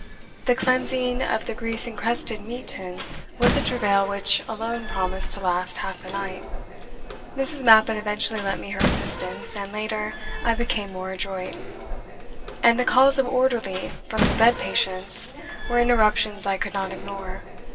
The cleansing of the grease encrusted meat tin was a travail which alone promised to last half the night. (Mrs. Mappin eventually lent me her assistance, and later I became more adroit.) And the calls of "Orderly!" from the bed patients were interruptions I could not ignore.